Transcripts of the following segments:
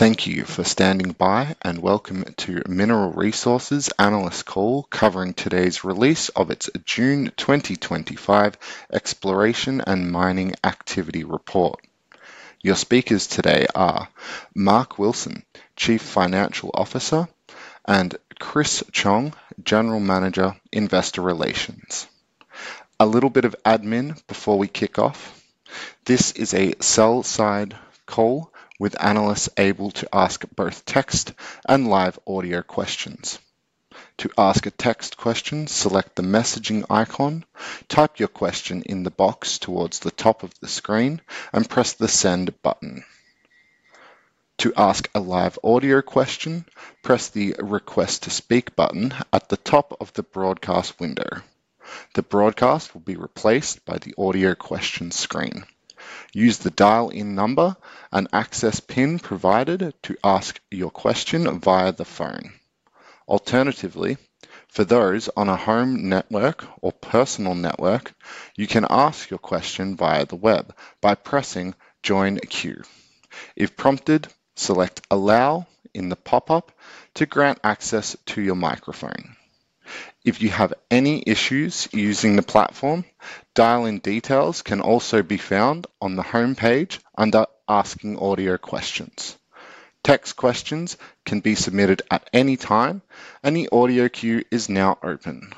Thank you for standing by and welcome to Mineral Resources' analyst call covering today's release of its June 2025 Exploration and Mining Activity Report. Your speakers today are Mark Wilson, Chief Financial Officer, and Chris Chong, General Manager, Investor Relations. A little bit of admin before we kick off. This is a sell-side call with analysts able to ask both text and live audio questions. To ask a text question, select the messaging icon, type your question in the box towards the top of the screen, and press the Send button. To ask a live audio question, press the Request to Speak button at the top of the broadcast window. The broadcast will be replaced by the audio question screen. Use the dial-in number and access pin provided to ask your question via the phone. Alternatively, for those on a home network or personal network, you can ask your question via the web by pressing Join Queue. If prompted, select Allow in the pop-up to grant access to your microphone. If you have any issues using the platform, dial-in details can also be found on the homepage under Asking Audio Questions. Text questions can be submitted at any time, and the audio queue is now open.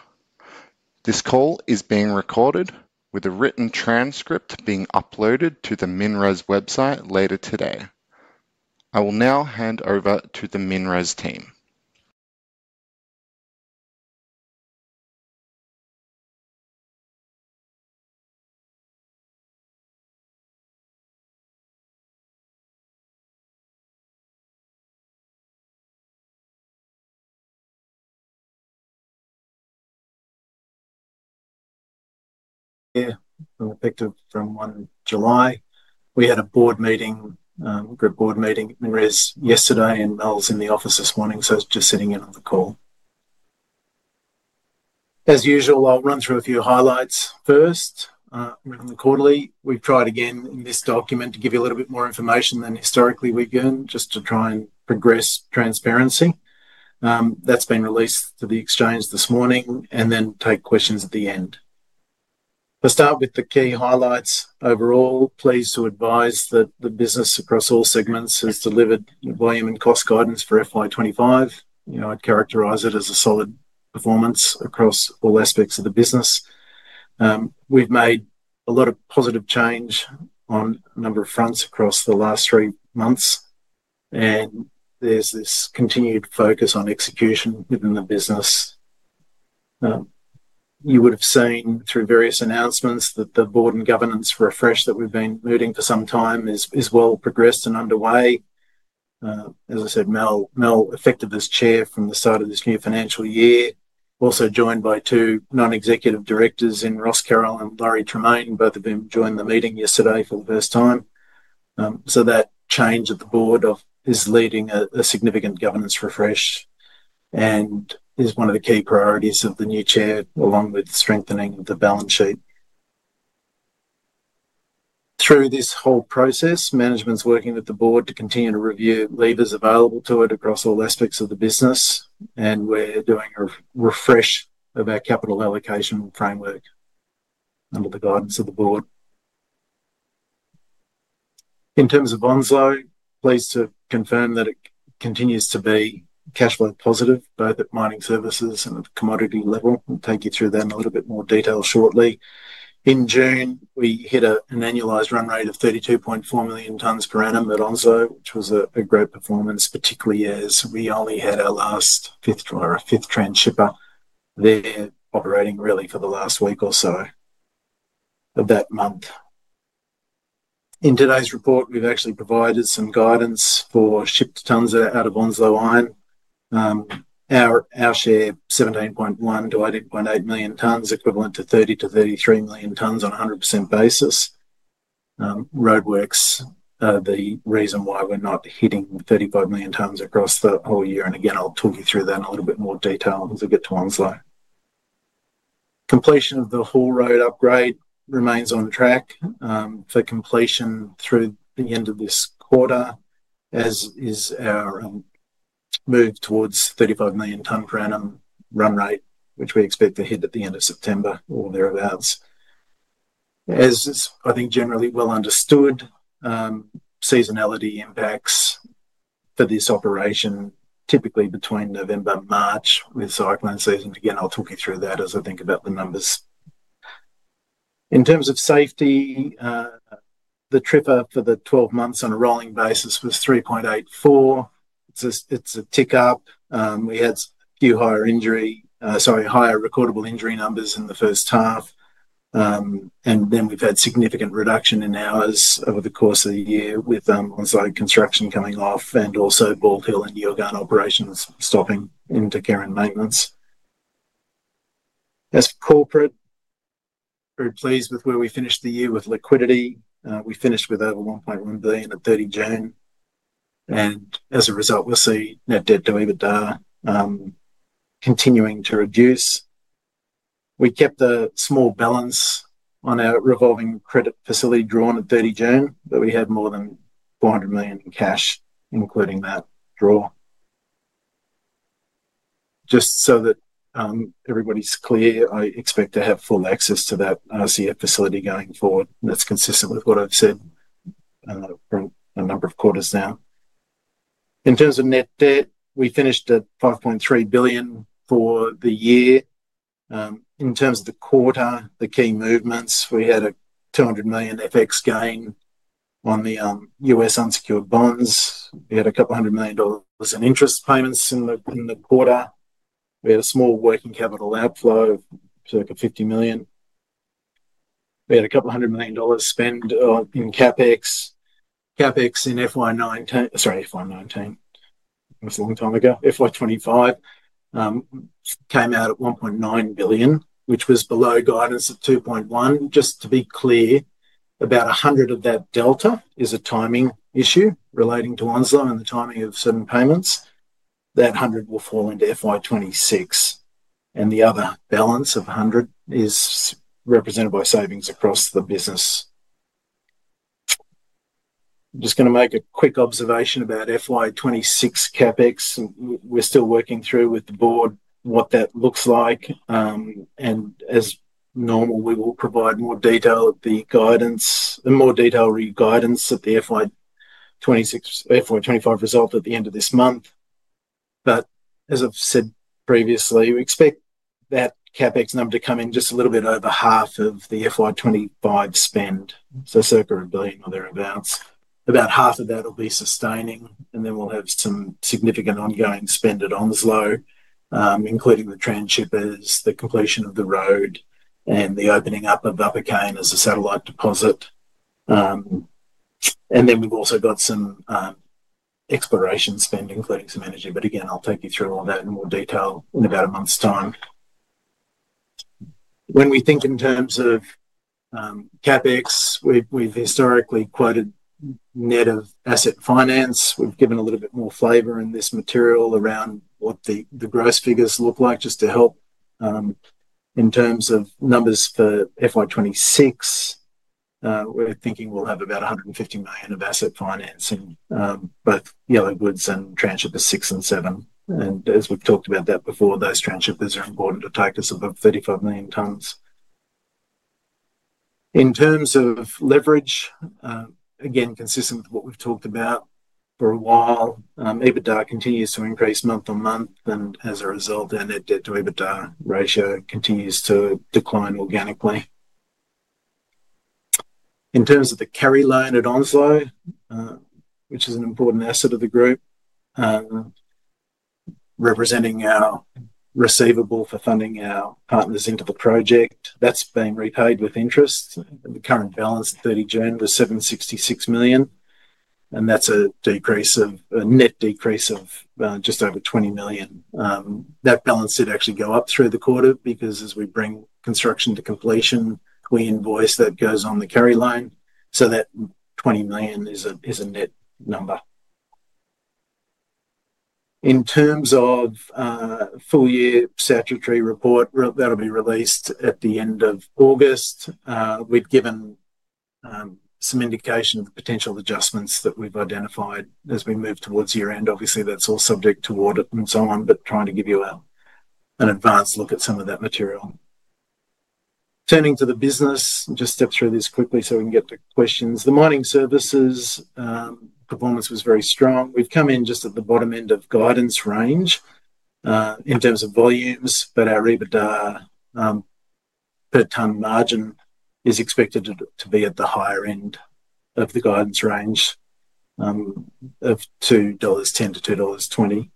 This call is being recorded with a written transcript being uploaded to the MinRes website later today. I will now hand over to the MinRes team. Here, I'm a picture from 1 July. We had a board meeting, a group board meeting at MinRes yesterday, and Mel's in the office this morning, so I was just sitting in on the call. As usual, I'll run through a few highlights first. We're on the quarterly. We've tried again in this document to give you a little bit more information than historically we've done, just to try and progress transparency. That's been released to the exchange this morning, and then take questions at the end. I'll start with the key highlights. Overall, pleased to advise that the business across all segments has delivered volume and cost guidance for FY 2025. You know, I'd characterize it as a solid performance across all aspects of the business. We've made a lot of positive change on a number of fronts across the last three months, and there's this continued focus on execution within the business. You would have seen through various announcements that the board and governance refresh that we've been mooting for some time is well progressed and underway. As I said, Mel, effective as Chair from the start of this new financial year, also joined by two non-executive directors in Ros Carroll and Lawrie Tremaine, both of whom joined the meeting yesterday for the first time. That change at the board is leading a significant governance refresh and is one of the key priorities of the new Chair, along with strengthening of the balance sheet. Through this whole process, management's working with the board to continue to review levers available to it across all aspects of the business, and we're doing a refresh of our capital allocation framework under the guidance of the board. In terms of bonds though, pleased to confirm that it continues to be cash flow positive, both at mining services and at the commodity level. I'll take you through that in a little bit more detail shortly. In June, we hit an annualized run rate of 32.4 million tons per annum at Onslow, which was a great performance, particularly as we only had our last fifth or a fifth trend shipper there operating really for the last week or so of that month. In today's report, we've actually provided some guidance for shipped tons out of Onslow Iron. Our share, 17.1-18.8 million tons, equivalent to 30-33 million tons on a 100% basis. Roadworks are the reason why we're not hitting 35 million tons across the whole year, and again, I'll talk you through that in a little bit more detail as we get to Onslow. Completion of the Hall Road upgrade remains on track for completion through the end of this quarter, as is our move towards 35 million ton per annum run rate, which we expect to hit at the end of September or thereabouts. As is, I think, generally well understood, seasonality impacts for this operation typically between November and March with cyclone season. Again, I'll talk you through that as I think about the numbers. In terms of safety, the TRIFR for the 12 months on a rolling basis was 3.84. It's a tick up. We had a few higher recordable injury numbers in the first half, and then we've had significant reduction in hours over the course of the year with Onslow construction coming off and also Ball Hill and Yilgarn operations stopping intercurrent maintenance. As corporate, we're pleased with where we finished the year with liquidity. We finished with over $1.1 billion at 30 June, and as a result, we'll see net debt to EBITDA continuing to reduce. We kept a small balance on our revolving credit facility drawn at 30 June, but we had more than $400 million in cash including that draw. Just so that everybody's clear, I expect to have full access to that RCF facility going forward. That's consistent with what I've said for a number of quarters now. In terms of net debt, we finished at $5.3 billion for the year. In terms of the quarter, the key movements, we had a $200 million FX gain on the U.S. unsecured bonds. We had a couple hundred million dollars in interest payments in the quarter. We had a small working capital outflow of circa $50 million. We had a couple hundred million dollars spend in CapEx. CapEx in FY 2019, sorry, FY 2019, it was a long time ago, FY 2025 came out at $1.9 billion, which was below guidance of $2.1 billion. Just to be clear, about $100 million of that delta is a timing issue relating to Onslow and the timing of certain payments. That $100 million will fall into FY 2026, and the other balance of $100 million is represented by savings across the business. I'm just going to make a quick observation about FY 2026 CapEx. We're still working through with the board what that looks like, and as normal, we will provide more detail at the guidance and more detailary guidance at the FY 2025 result at the end of this month. As I've said previously, we expect that CapEx number to come in just a little bit over half of the FY 2025 spend, so circa $1 billion or thereabouts. About half of that will be sustaining, and then we'll have some significant ongoing spend at Onslow, including the transshippers, the completion of the road, and the opening up of Upper Cane as a satellite deposit. We've also got some exploration spend, including some energy. I'll take you through all that in more detail in about a month's time. When we think in terms of CapEx, we've historically quoted net of asset finance. We've given a little bit more flavor in this material around what the gross figures look like, just to help. In terms of numbers for FY 2026, we're thinking we'll have about $150 million of asset finance in both yellow goods and transshipper six and seven. As we've talked about before, those transshippers are important to take us above 35 million tons. In terms of leverage, consistent with what we've talked about for a while, EBITDA continues to increase month on month, and as a result, our net debt to EBITDA ratio continues to decline organically. In terms of the carry loan at Onslow, which is an important asset of the group, representing our receivable for funding our partners into the project, that's being repaid with interest. The current balance at 30 June was $766 million, and that's a net decrease of just over $20 million. That balance did actually go up through the quarter because as we bring construction to completion, the invoice goes on the carry loan. That $20 million is a net number. In terms of full-year statutory report, that'll be released at the end of August. We've given some indication of the potential adjustments that we've identified as we move towards year-end. Obviously, that's all subject to audit and so on, but trying to give you an advanced look at some of that material. Turning to the business, just step through this quickly so we can get to questions. The mining services performance was very strong. We've come in just at the bottom end of guidance range in terms of volumes, but our EBITDA per tonne margin is expected to be at the higher end of the guidance range of $2.10-$2.20.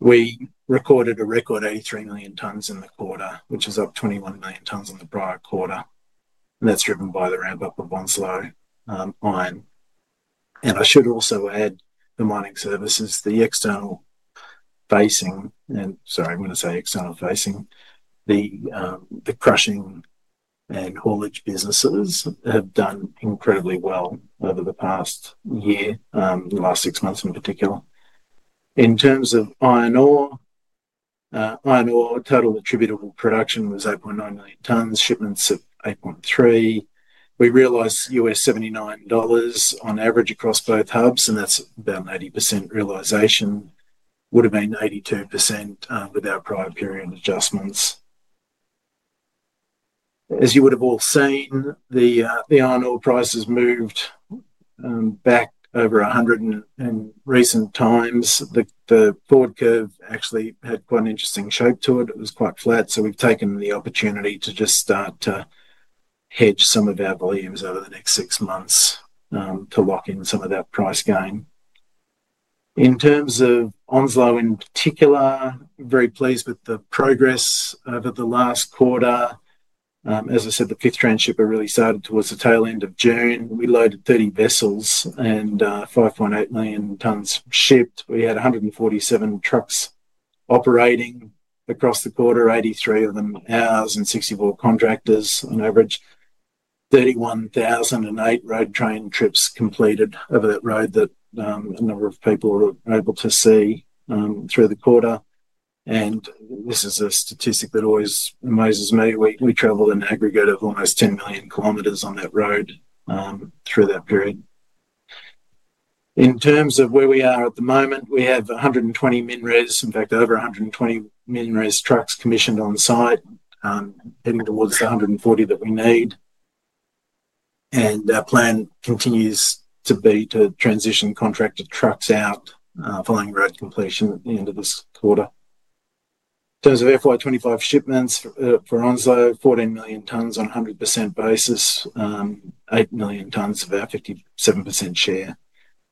We recorded a record 83 million tons in the quarter, which is up 21 million tons on the prior quarter. That's driven by the ramp-up of Onslow Iron. I should also add the mining services, the external facing, the crushing and haulage businesses have done incredibly well over the past year, the last six months in particular. In terms of iron ore, iron ore total attributable production was 8.9 million tons, shipments of 8.3. We realized $79 on average across both hubs, and that's about an 80% realization. It would have been 82% with our prior period adjustments. As you would have all seen, the iron ore prices moved back over $100 in recent times. The forward curve actually had quite an interesting shape to it. It was quite flat. We have taken the opportunity to just start to hedge some of our volumes over the next six months to lock in some of that price gain. In terms of Onslow in particular, I'm very pleased with the progress over the last quarter. As I said, the fifth transhipper really started towards the tail end of June. We loaded 30 vessels and 5.8 million tons shipped. We had 147 trucks operating across the quarter, 83 of them ours, and 64 contractors on average. 31,008 road train trips completed over that road that a number of people were able to see through the quarter. This is a statistic that always amazes me. We traveled an aggregate of almost 10 million kilometers on that road through that period. In terms of where we are at the moment, we have 120 MinRes, in fact, over 120 MinRes trucks commissioned on site, heading towards the 140 that we need. Our plan continues to be to transition contracted trucks out following road completion at the end of this quarter. In terms of FY 2025 shipments for Onslow, 14 million tons on a 100% basis, 8 million tons of our 57% share,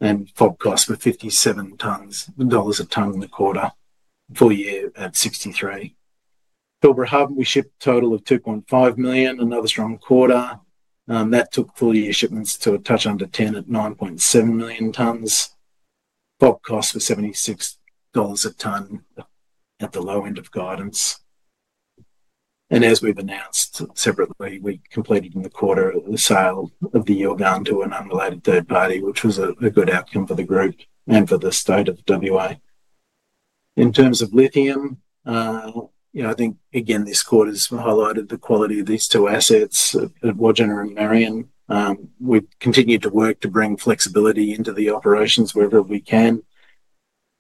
and FOB costs were $57 a ton in the quarter, full year at $63. Yilgarn Hub, we shipped a total of 2.5 million, another strong quarter. That took full-year shipments to a touch under 10 at 9.7 million tons. FOB costs were $76 a ton at the low end of guidance. As we've announced separately, we completed in the quarter the sale of the Yilgarn to an unrelated third party, which was a good outcome for the group and for the state of WA. In terms of lithium, I think, again, this quarter's highlighted the quality of these two assets at Wodgina and Mount Marion. We've continued to work to bring flexibility into the operations wherever we can.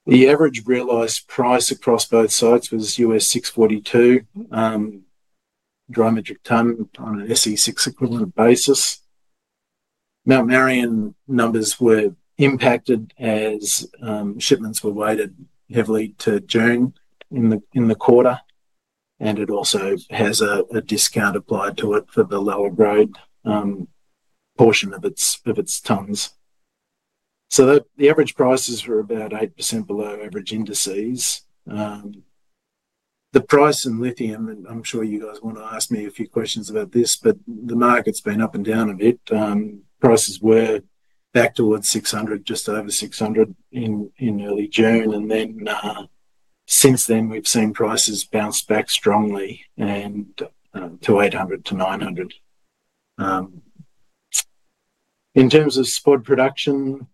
The average realized price across both sites was $642, dry metric ton on an SC6 equivalent basis. Mount Marion numbers were impacted as shipments were weighted heavily to June in the quarter, and it also has a discount applied to it for the lower grade portion of its tons. The average prices were about 8% below average indices. The price in lithium, and I'm sure you guys want to ask me a few questions about this, but the market's been up and down a bit. Prices were back towards $600, just over $600 in early June. Since then, we've seen prices bounce back strongly to $800 to $900. In terms of spod production,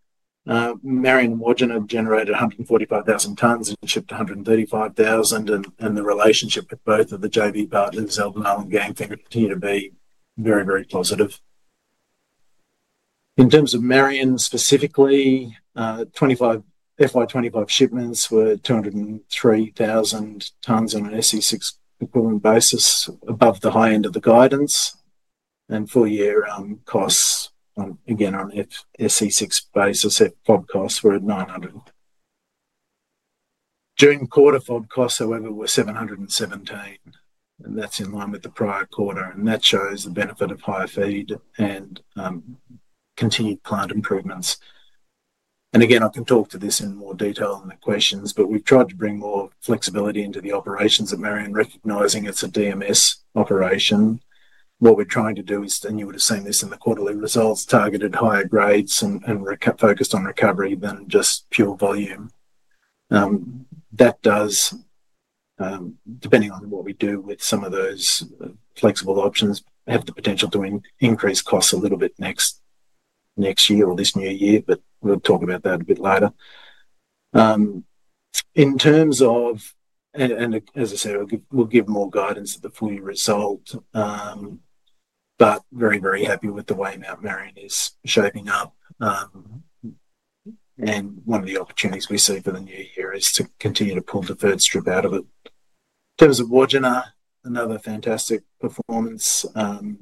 Mount Marion and Wodgina generated 145,000 tons and shipped 135,000, and the relationship with both of the JV partners, Eldon Island Game, things continue to be very, very positive. In terms of Mount Marion specifically, FY 2025 shipments were 203,000 tons on an SC6 equivalent basis, above the high end of the guidance. Full-year costs, again, on an SC6 basis at FOB costs were at $900. June quarter FOB costs, however, were $717, and that's in line with the prior quarter, and that shows the benefit of high feed and continued plant improvements. I can talk to this in more detail in the questions, but we've tried to bring more flexibility into the operations at Mount Marion, recognizing it's a DMS operation. What we're trying to do is, and you would have seen this in the quarterly results, targeted higher grades and focused on recovery than just pure volume. That does, depending on what we do with some of those flexible options, have the potential to increase costs a little bit next year or this new year, but we'll talk about that a bit later. As I said, we'll give more guidance at the full-year result, but very, very happy with the way Mount Marion is shaping up. One of the opportunities we see for the new year is to continue to pull the third strip out of it. In terms of Wodgina, another fantastic performance,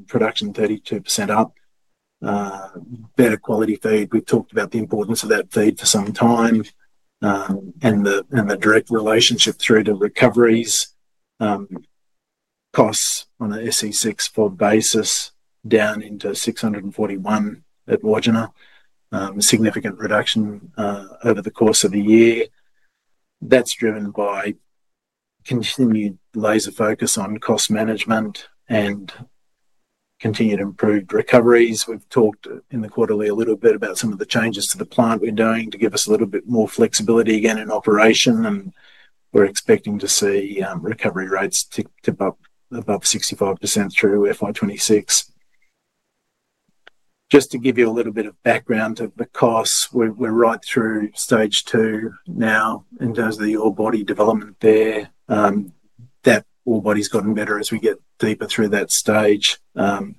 production 32% up, better quality feed. We've talked about the importance of that feed for some time, and the direct relationship through to recoveries, costs on an SC6 FOB basis down into $641 at Wodgina, a significant reduction over the course of the year. That's driven by continued laser focus on cost management and continued improved recoveries. We've talked in the quarterly a little bit about some of the changes to the plant we're doing to give us a little bit more flexibility again in operation, and we're expecting to see recovery rates tip up above 65% through FY 2026. Just to give you a little bit of background of the costs, we're right through stage two now in terms of the ore body development there. That ore body's gotten better as we get deeper through that stage. FY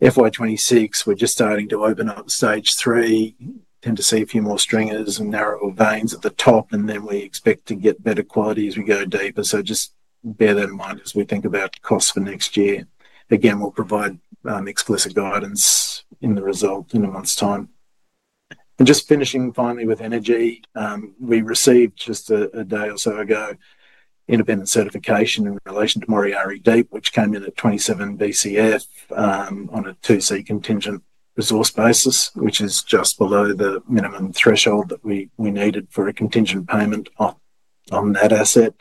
2026, we're just starting to open up stage three, tend to see a few more stringers and narrower veins at the top, and then we expect to get better quality as we go deeper. Just bear that in mind as we think about costs for next year. Again, we'll provide explicit guidance in the result in a month's time. Just finishing finally with energy, we received just a day or so ago independent certification in relation to Moriari Deep, which came in at 27 Bcf on a 2C contingent resource basis, which is just below the minimum threshold that we needed for a contingent payment on that asset.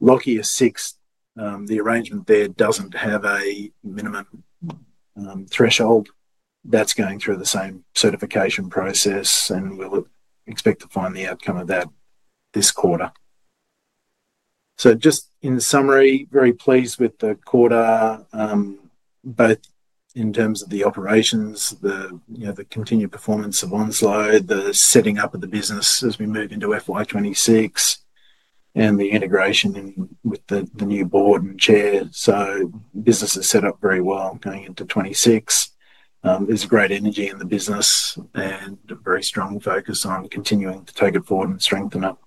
Lockyer 6, the arrangement there doesn't have a minimum threshold. That's going through the same certification process, and we'll expect to find the outcome of that this quarter. In summary, very pleased with the quarter, both in terms of the operations, the continued performance of Onslow, the setting up of the business as we move into FY 2026, and the integration with the new board and chair. Business is set up very well going into 26. There's great energy in the business and a very strong focus on continuing to take it forward and strengthen up.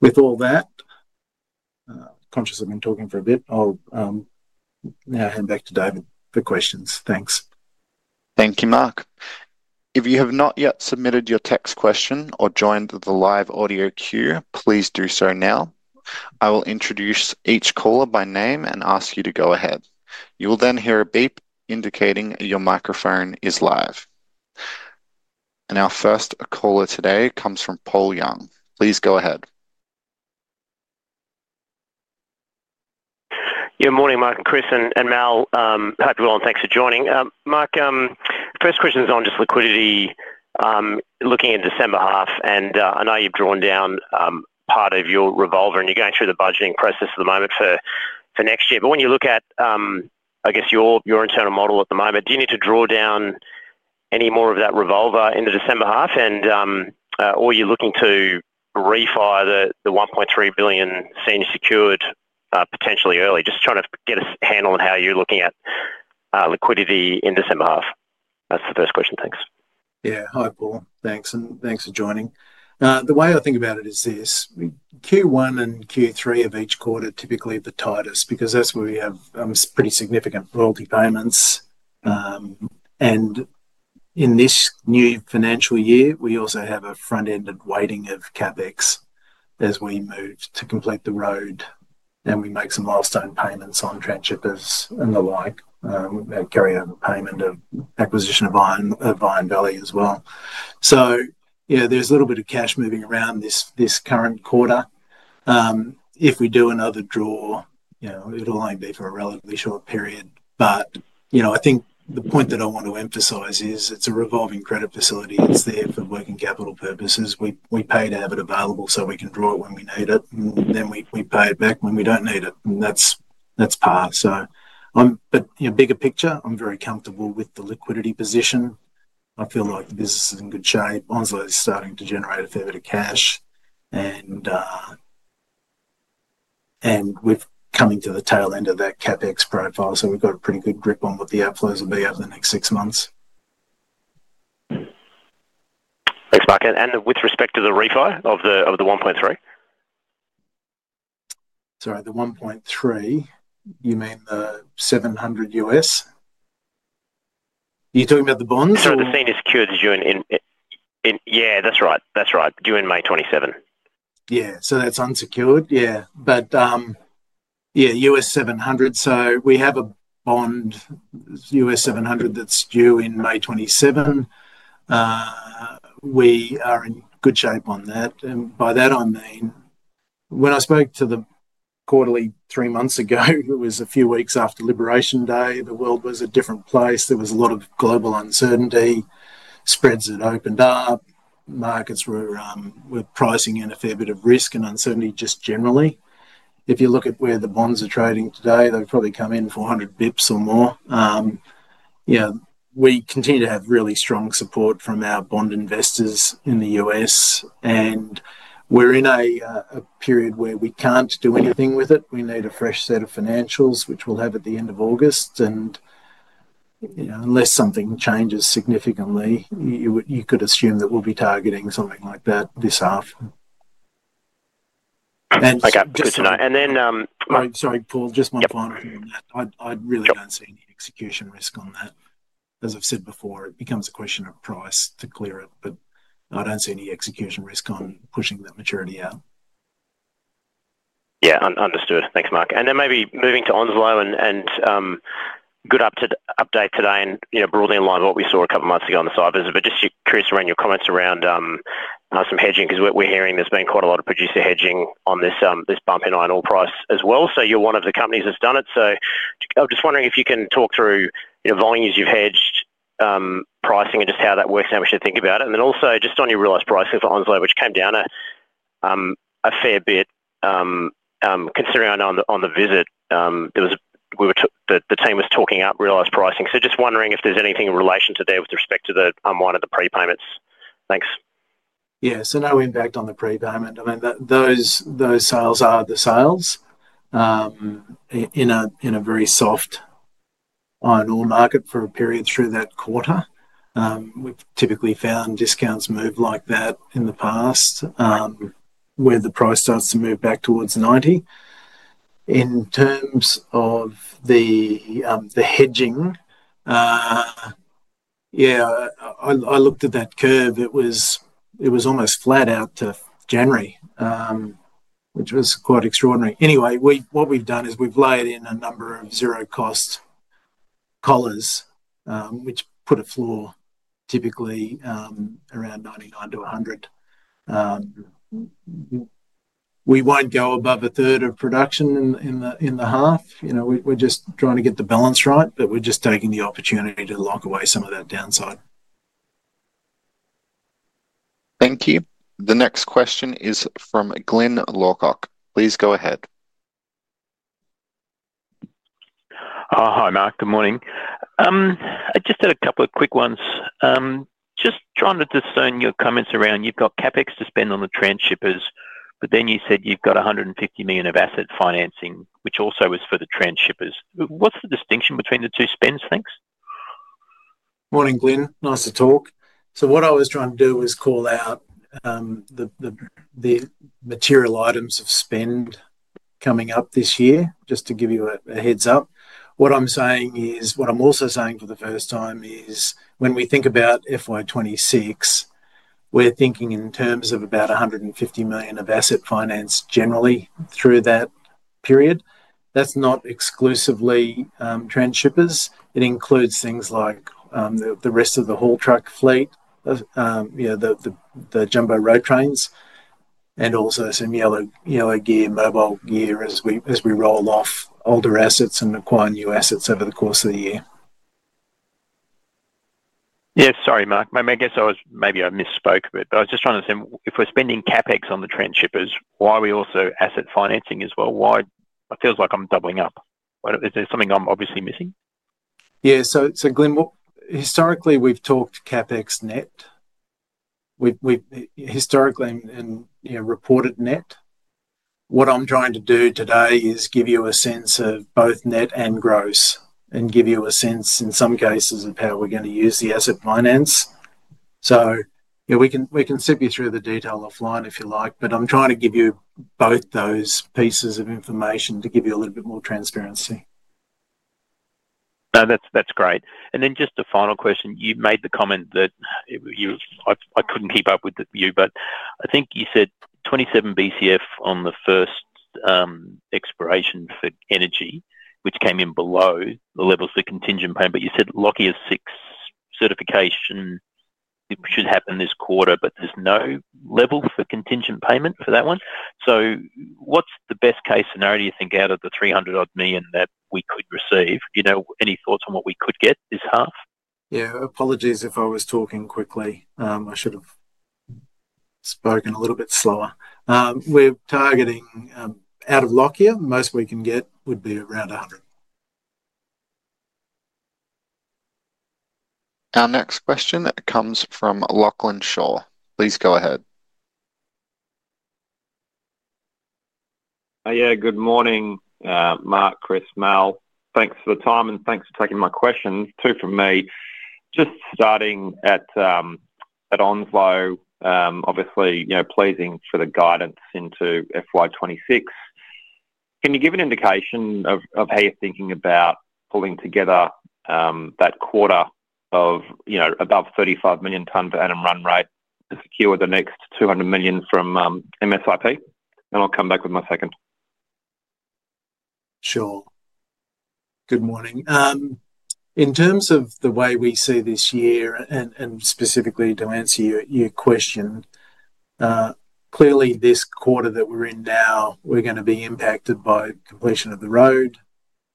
With all that, conscious I've been talking for a bit, I'll now hand back for questions. Thanks. Thank you, Mark. If you have not yet submitted your text question or joined the live audio queue, please do so now. I will introduce each caller by name and ask you to go ahead. You will then hear a beep indicating your microphone is live. Our first caller today comes from Paul Young. Please go ahead. Yeah, morning, Mark and Chris, and Mel, hope you're all well and thanks for joining. Mark, first question is on just liquidity, looking at the December half, and I know you've drawn down part of your revolver and you're going through the budgeting process at the moment for next year. When you look at, I guess, your internal model at the moment, do you need to draw down any more of that revolver into December half, and are you looking to re-fire the $1.3 billion senior secured potentially early? Just trying to get a handle on how you're looking at liquidity in December half. That's the first question. Thanks. Yeah, hi, Paul. Thanks, and thanks for joining. The way I think about it is this. Q1 and Q3 of each quarter are typically the tightest because that's where we have pretty significant royalty payments. In this new financial year, we also have a front-ended weighting of CapEx as we move to complete the road, and we make some milestone payments on transshippers and the like. We've had carryover payment of acquisition of Iron Valley as well. There's a little bit of cash moving around this current quarter. If we do another draw, it'll only be for a relatively short period. I think the point that I want to emphasize is it's a revolving credit facility. It's there for working capital purposes. We pay to have it available so we can draw it when we need it, and then we pay it back when we don't need it. That's part. Bigger picture, I'm very comfortable with the liquidity position. I feel like the business is in good shape. Onslow is starting to generate a fair bit of cash, and we're coming to the tail end of that CapEx profile. We've got a pretty good grip on what the outflows will be over the next six months. Thanks, Mark. With respect to the refi of the $1.3 billion? Sorry, the $1.3 billion, you mean the $700 million U.S.? You're talking about the bonds or? The senior secured is due in, yeah, that's right. That's right. Due in May 2027. Yeah, that's unsecured. Yeah, US$700 million. We have a bond, US$700 million, that's due in May 2027. We are in good shape on that. By that, I mean when I spoke to the quarterly three months ago, it was a few weeks after Liberation Day. The world was a different place. There was a lot of global uncertainty, spreads had opened up. Markets were pricing in a fair bit of risk and uncertainty just generally. If you look at where the bonds are trading today, they've probably come in 400 bps or more. We continue to have really strong support from our bond investors in the U.S. We're in a period where we can't do anything with it. We need a fresh set of financials, which we'll have at the end of August. Unless something changes significantly, you could assume that we'll be targeting something like that this half. Okay, good to know. Mark. Sorry, Paul, just one final thing on that. I really don't see any execution risk on that. As I've said before, it becomes a question of price to clear it, but I don't see any execution risk on pushing that maturity out. Yeah, understood. Thanks, Mark. Maybe moving to Onslow, good update today and broadly in line with what we saw a couple of months ago on the site visit. I'm just curious around your comments around some hedging because we're hearing there's been quite a lot of producer hedging on this bump in iron ore price as well. You're one of the companies that's done it. I'm just wondering if you can talk through volumes you've hedged, pricing, and just how that works and how we should think about it. Also, just on your realized pricing for Onslow, which came down a fair bit, considering I know on the visit the team was talking up realized pricing. I'm just wondering if there's anything in relation to that with respect to the unwind of the prepayments. Thanks. Yeah, so no impact on the prepayment. I mean, those sales are the sales in a very soft iron ore market for a period through that quarter. We've typically found discounts move like that in the past where the price starts to move back towards $90. In terms of the hedging, yeah, I looked at that curve. It was almost flat out to January, which was quite extraordinary. Anyway, what we've done is we've laid in a number of zero-cost collars, which put a floor typically around $99 to $100. We won't go above a third of production in the half. You know, we're just trying to get the balance right, but we're just taking the opportunity to lock away some of that downside. Thank you. The next question is from Glyn Lawcock. Please go ahead. Hi, Mark. Good morning. I just had a couple of quick ones. Just trying to discern your comments around you've got CapEx to spend on the transshippers, but then you said you've got $150 million of asset financing, which also was for the transshippers. What's the distinction between the two spends, thanks? Morning, Glyn. Nice to talk. What I was trying to do was call out the material items of spend coming up this year, just to give you a heads up. What I'm saying is, what I'm also saying for the first time is when we think about FY 2026, we're thinking in terms of about $150 million of asset finance generally through that period. That's not exclusively transshippers. It includes things like the rest of the haul truck fleet, the jumbo road trains, and also some yellow gear, mobile gear as we roll off older assets and acquire new assets over the course of the year. Yeah, sorry, Mark. I guess I was maybe I misspoke a bit, but I was just trying to assume if we're spending CapEx on the transshippers, why are we also asset financing as well? Why? It feels like I'm doubling up. Is there something I'm obviously missing? Yeah, so Glyn, historically, we've talked CapEx net, historically, and reported net. What I'm trying to do today is give you a sense of both net and gross, and give you a sense, in some cases, of how we're going to use the asset finance. We can sip you through the detail offline if you like, but I'm trying to give you both those pieces of information to give you a little bit more transparency. No, that's great. Just a final question. You made the comment that you—I couldn't keep up with you, but I think you said 27 Bcf on the first expiration for energy, which came in below the levels of contingent payment. You said Lockyer 6 certification should happen this quarter, but there's no level for contingent payment for that one. What's the best-case scenario you think out of the $300 million-odd that we could receive? Any thoughts on what we could get this half? Yeah, apologies if I was talking quickly. I should have spoken a little bit slower. We're targeting out of Lockyer, most we can get would be around 100. Our next question comes from Lachlan Shaw. Please go ahead. Yeah, good morning, Mark, Chris, Mel. Thanks for the time and thanks for taking my question. Two from me. Just starting at Onslow, obviously, you know, pleasing for the guidance into FY 2026. Can you give an indication of how you're thinking about pulling together that quarter of, you know, above 35 million tons for annualized run rate to secure the next $200 million from MSIP? I'll come back with my second. Sure. Good morning. In terms of the way we see this year, and specifically to answer your question, clearly, this quarter that we're in now, we're going to be impacted by completion of the road.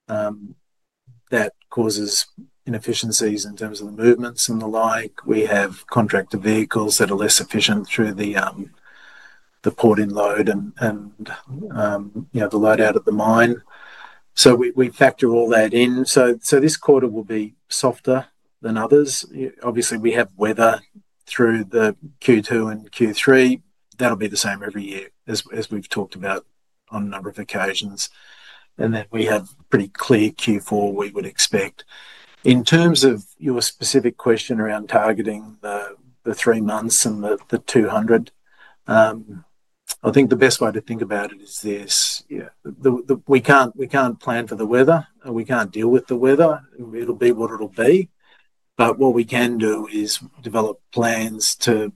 That causes inefficiencies in terms of the movements and the like. We have contractor vehicles that are less efficient through the port in load and, you know, the load out of the mine. We factor all that in. This quarter will be softer than others. Obviously, we have weather through Q2 and Q3. That'll be the same every year, as we've talked about on a number of occasions. We have a pretty clear Q4 we would expect. In terms of your specific question around targeting the three months and the 200, I think the best way to think about it is this. We can't plan for the weather. We can't deal with the weather. It'll be what it'll be. What we can do is develop plans to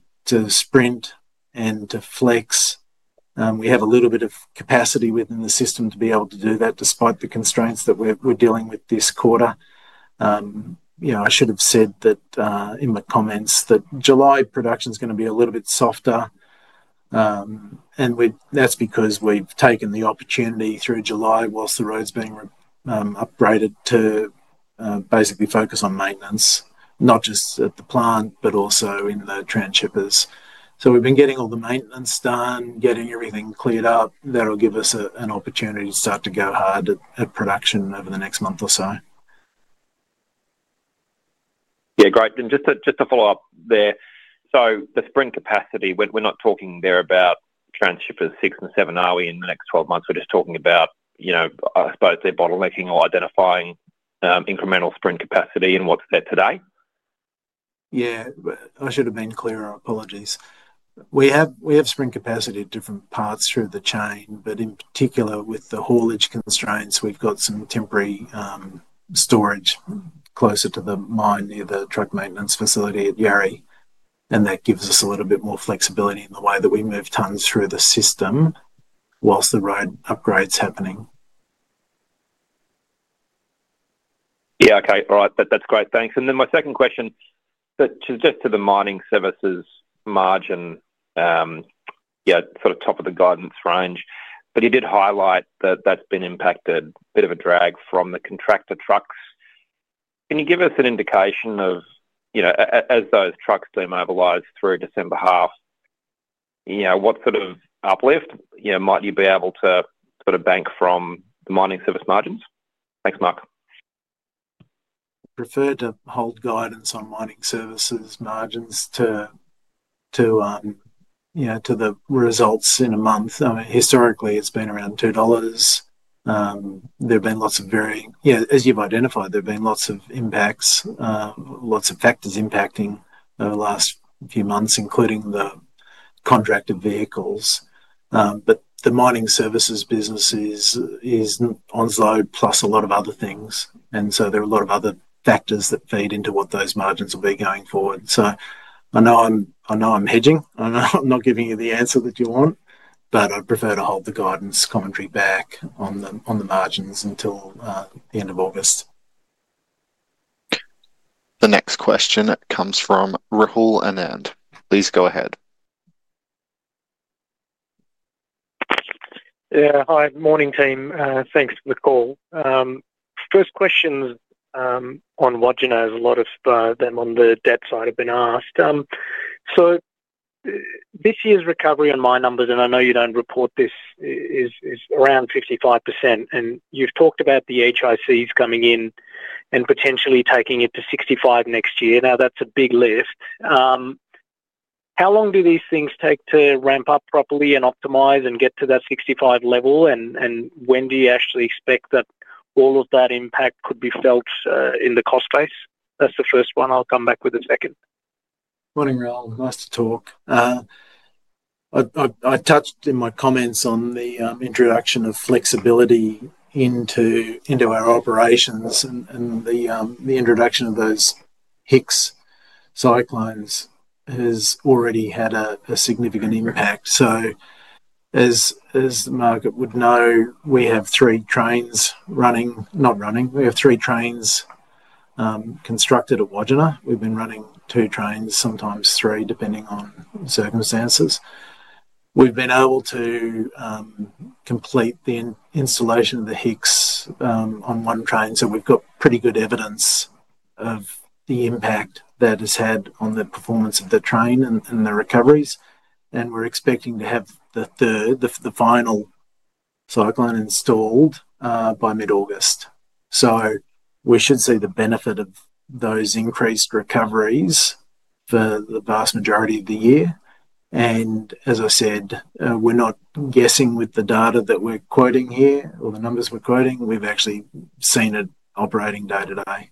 sprint and to flex. We have a little bit of capacity within the system to be able to do that despite the constraints that we're dealing with this quarter. I should have said that in my comments that July production is going to be a little bit softer. That's because we've taken the opportunity through July whilst the road's being upgraded to basically focus on maintenance, not just at the plant, but also in the transshippers. We've been getting all the maintenance done, getting everything cleared up. That'll give us an opportunity to start to go hard at production over the next month or so. Great. Just to follow up there, the sprint capacity, we're not talking there about transshippers six and seven in the next 12 months. We're just talking about, I suppose, bottlenecking or identifying incremental sprint capacity in what's there today. Yeah, I should have been clearer. Apologies. We have sprint capacity at different parts through the chain, but in particular with the haulage constraints, we've got some temporary storage closer to the mine near the truck maintenance facility at Yarry, and that gives us a little bit more flexibility in the way that we move tons through the system whilst the road upgrade's happening. Okay. All right. That's great. Thanks. My second question, just to the mining services margin, yeah, sort of top of the guidance range, but you did highlight that that's been impacted, a bit of a drag from the contractor trucks. Can you give us an indication of, as those trucks demobilize through December half, what sort of uplift might you be able to sort of bank from the mining services margins? Thanks, Mark. Prefer to hold guidance on mining services margins to, you know, to the results in a month. Historically, it's been around $2. There have been lots of, yeah, as you've identified, there have been lots of impacts, lots of factors impacting over the last few months, including the contractor vehicles. The mining services business is Onslow plus a lot of other things, and there are a lot of other factors that feed into what those margins will be going forward. I know I'm hedging. I'm not giving you the answer that you want, but I'd prefer to hold the guidance commentary back on the margins until the end of August. The next question comes from Rahul Anand. Please go ahead. Yeah, hi, morning team. Thanks for the call. First question on Wodgina is a lot of them on the debt side have been asked. This year's recovery on my numbers, and I know you don't report this, is around 55%. You've talked about the HICs coming in and potentially taking it to 65% next year. That's a big lift. How long do these things take to ramp up properly and optimize and get to that 65% level? When do you actually expect that all of that impact could be felt in the cost base? That's the first one. I'll come back with the second. Morning, Rahul. Nice to talk. I touched in my comments on the introduction of flexibility into our operations, and the introduction of those HICS cyclones has already had a significant impact. As the market would know, we have three trains constructed at Wodgina. We've been running two trains, sometimes three, depending on circumstances. We've been able to complete the installation of the HICS on one train, so we've got pretty good evidence of the impact that it's had on the performance of the train and the recoveries. We're expecting to have the third, the final cyclone installed by mid-August. We should see the benefit of those increased recoveries for the vast majority of the year. As I said, we're not guessing with the data that we're quoting here or the numbers we're quoting. We've actually seen it operating day to day.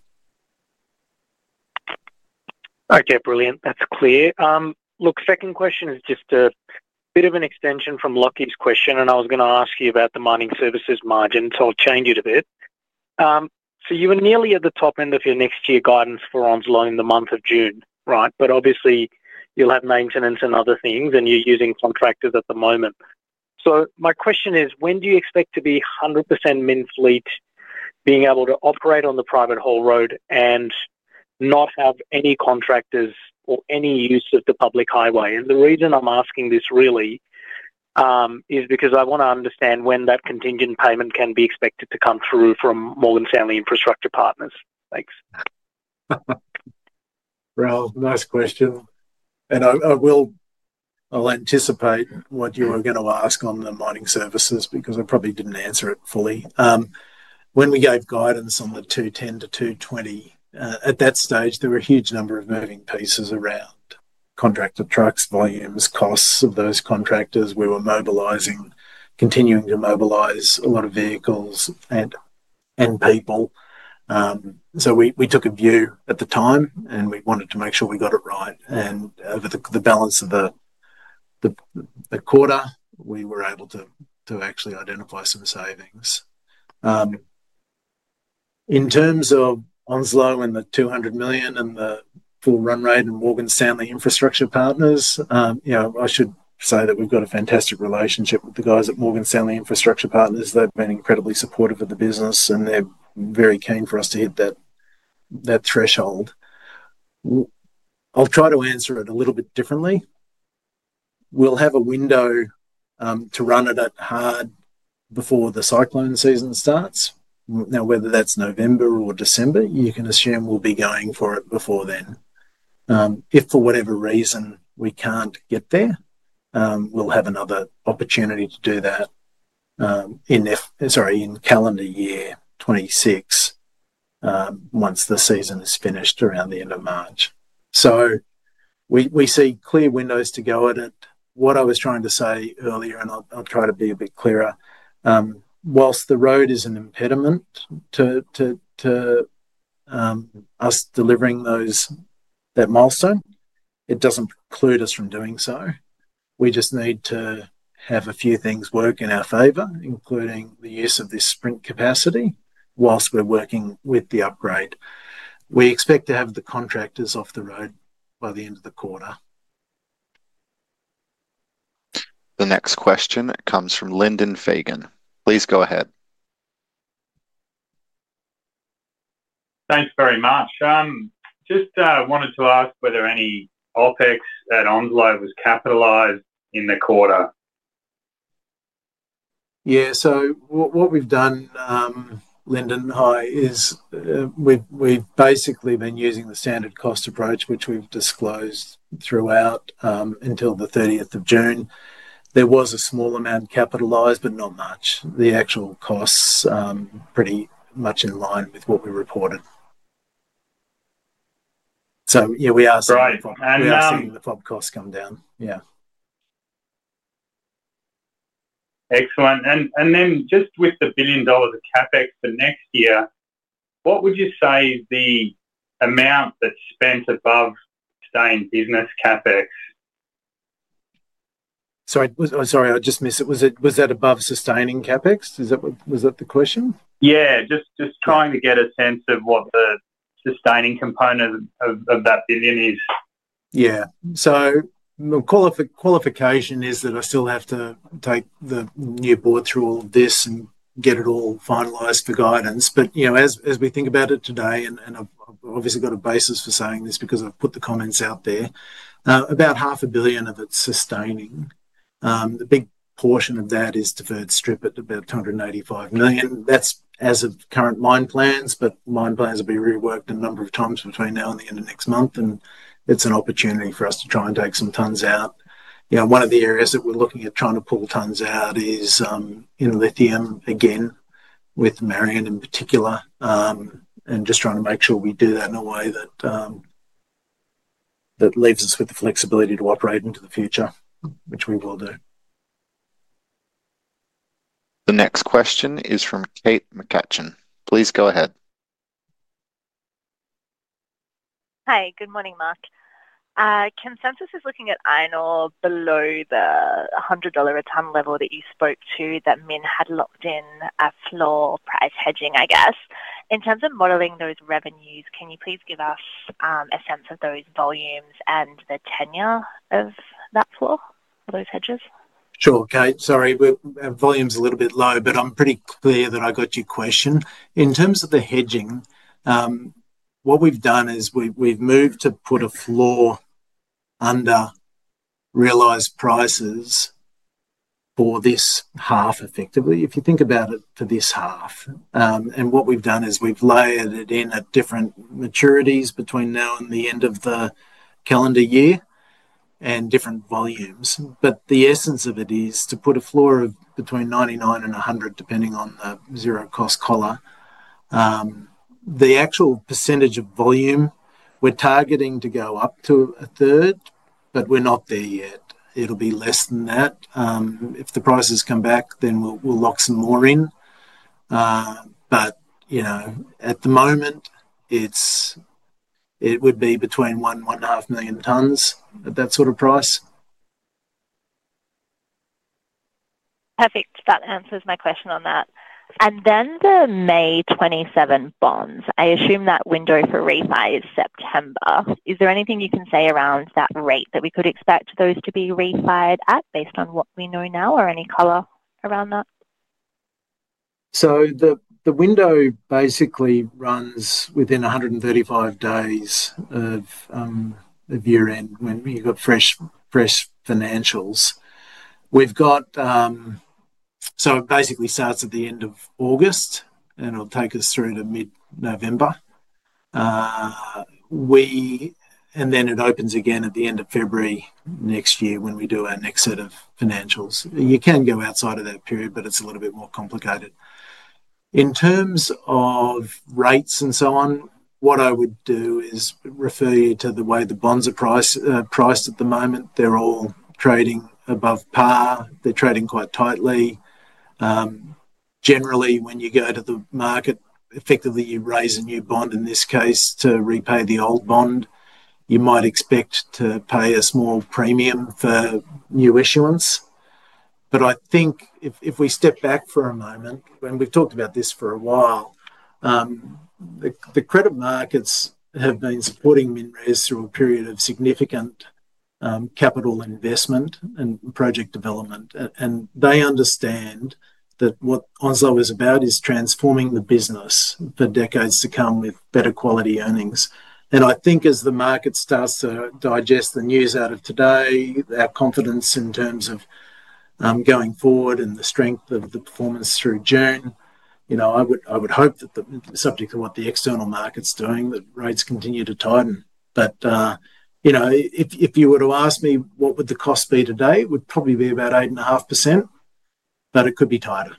Okay, brilliant. That's clear. Look, second question is just a bit of an extension from Loki's question, and I was going to ask you about the mining services margin, so I'll change it a bit. You were nearly at the top end of your next year guidance for Onslow in the month of June, right? Obviously, you'll have maintenance and other things, and you're using contractors at the moment. My question is, when do you expect to be 100% MinRes fleet being able to operate on the private haul road and not have any contractors or any use of the public highway? The reason I'm asking this really is because I want to understand when that contingent payment can be expected to come through from Morgan Stanley Infrastructure Partners. Thanks. Nice question. I'll anticipate what you were going to ask on the mining services because I probably didn't answer it fully. When we gave guidance on the 210-220, at that stage, there were a huge number of moving pieces around contractor trucks, volumes, costs of those contractors. We were mobilizing, continuing to mobilize a lot of vehicles and people. We took a view at the time, and we wanted to make sure we got it right. Over the balance of the quarter, we were able to actually identify some savings. In terms of Onslow and the $200 million and the full run rate and Morgan Stanley Infrastructure Partners, I should say that we've got a fantastic relationship with the guys at Morgan Stanley Infrastructure Partners. They've been incredibly supportive of the business, and they're very keen for us to hit that threshold. I'll try to answer it a little bit differently. We'll have a window to run it at hard before the cyclone season starts. Whether that's November or December, you can assume we'll be going for it before then. If for whatever reason we can't get there, we'll have another opportunity to do that in, sorry, in calendar year 2026 once the season is finished around the end of March. We see clear windows to go at it. What I was trying to say earlier, and I'll try to be a bit clearer, whilst the road is an impediment to us delivering that milestone, it doesn't preclude us from doing so. We just need to have a few things work in our favor, including the use of this sprint capacity whilst we're working with the upgrade. We expect to have the contractors off the road by the end of the quarter. The next question comes from Lyndon Fagan. Please go ahead. Thanks very much. Just wanted to ask whether any OpEx at Onslow was capitalized in the quarter. Yeah, so what we've done, Lyndon, hi, is we've basically been using the standard cost approach, which we've disclosed throughout until June 30, 2023. There was a small amount capitalized, but not much. The actual costs are pretty much in line with what we reported. We are seeing the FOB costs come down. Excellent. With the $1 billion of CapEx for next year, what would you say is the amount that's spent above staying business CapEx? Sorry, I just missed it. Was that above sustaining CapEx? Was that the question? Yeah, just trying to get a sense of what the sustaining component of that $1 billion is. Yeah, the qualification is that I still have to take the new board through all of this and get it all finalized for guidance. As we think about it today, and I've obviously got a basis for saying this because I've put the comments out there, about $500 million of it's sustaining. The big portion of that is to first strip it to about $285 million. That's as of current mine plans, but mine plans will be reworked a number of times between now and the end of next month, and it's an opportunity for us to try and take some tons out. One of the areas that we're looking at trying to pull tons out is in lithium, again, with Mount Marion in particular, and just trying to make sure we do that in a way that leaves us with the flexibility to operate into the future, which we will do. The next question is from Kate McCutcheon. Please go ahead. Hi, good morning, Mark. Consensus is looking at iron ore below the $100 a tonne level that you spoke to, that MinRes had locked in a floor price hedging, I guess. In terms of modeling those revenues, can you please give us a sense of those volumes and the tenure of that floor for those hedges? Sure, Kate. Sorry, volume's a little bit low, but I'm pretty clear that I got your question. In terms of the hedging, what we've done is we've moved to put a floor under realized prices for this half, effectively. If you think about it for this half, and what we've done is we've layered it in at different maturities between now and the end of the calendar year and different volumes. The essence of it is to put a floor of between $99 and $100, depending on the zero-cost collar. The actual percentage of volume, we're targeting to go up to a third, but we're not there yet. It'll be less than that. If the prices come back, then we'll lock some more in. At the moment, it would be between 1 and 1.5 million tons at that sort of price. Perfect. That answers my question on that. The May 2027 bonds, I assume that window for refi is September. Is there anything you can say around that rate that we could expect those to be refied at based on what we know now, or any collar around that? The window basically runs within 135 days of year-end when you've got fresh financials. It basically starts at the end of August, and it'll take us through to mid-November. Then it opens again at the end of February next year when we do our next set of financials. You can go outside of that period, but it's a little bit more complicated. In terms of rates and so on, what I would do is refer you to the way the bonds are priced at the moment. They're all trading above par. They're trading quite tightly. Generally, when you go to the market, effectively, you raise a new bond in this case to repay the old bond. You might expect to pay a small premium for new issuance. I think if we step back for a moment, and we've talked about this for a while, the credit markets have been supporting MinRes through a period of significant capital investment and project development. They understand that what Onslow is about is transforming the business for decades to come with better quality earnings. I think as the market starts to digest the news out of today, our confidence in terms of going forward and the strength of the performance through June, I would hope that subject to what the external market's doing, that rates continue to tighten. If you were to ask me what would the cost be today, it would probably be about 8.5%, but it could be tighter.